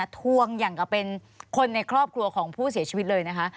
ทวงอย่างกับเป็นคนในครอบครัวของผู้เสียชีวิตเลยนะคะ